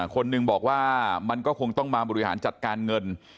คนหนึ่งบอกว่ามันก็คงต้องมาบริหารจัดการเงิน